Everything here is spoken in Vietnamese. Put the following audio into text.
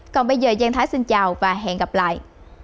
còn bây giờ giang thái xin chào và hẹn gặp lại